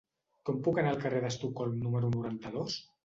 Com puc anar al carrer d'Estocolm número noranta-dos?